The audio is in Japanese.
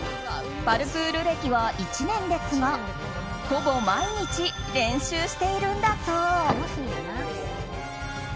パルクール歴は１年ですがほぼ毎日練習しているんだそう。